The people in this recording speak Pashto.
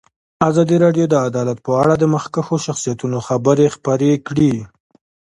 ازادي راډیو د عدالت په اړه د مخکښو شخصیتونو خبرې خپرې کړي.